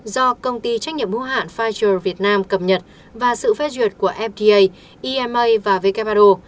do công ty trách nhiệm hữu hạn pfizer việt nam cập nhật và sự phê duyệt của fda ima và who